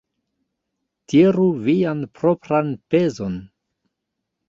Tiru vian propran pezon.